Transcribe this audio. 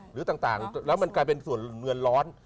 หรือต่างแล้วมันกลายเป็นส่วนเงินร้อน